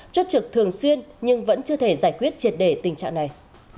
chốt trực thường xuyên nhưng vẫn chưa thể giải quyết triệt đề tình trạng này